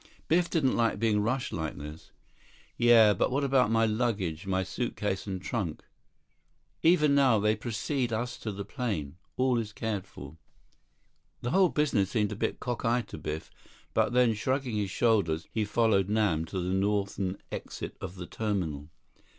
Biff didn't like being rushed like this. "Yeah, but what about my luggage—my suitcase and trunk?" "Even now they precede us to the plane. All is cared for." The whole business seemed a bit cockeyed to Biff, but then, shrugging his shoulders, he followed Nam to the northern exit of the terminal.